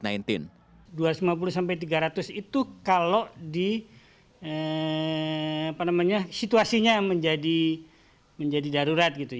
dua ratus lima puluh sampai tiga ratus itu kalau situasinya menjadi darurat gitu ya